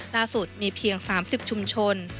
ล่าสุดมีเพียง๓๐ชุมชน